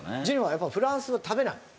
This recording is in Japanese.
やっぱりフランスは食べない？